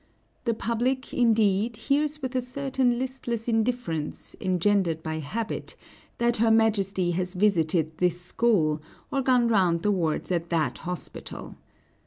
The public, indeed, hears with a certain listless indifference, engendered by habit, that her Majesty has visited this school, or gone round the wards at that hospital.